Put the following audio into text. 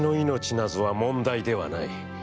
なぞは、問題ではない。